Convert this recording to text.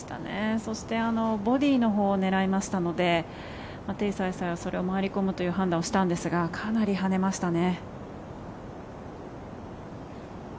そして、ボディーのほうを狙いましたのでテイ・サイサイはそれを回り込むという判断をしたんですがかなり跳ねましたね。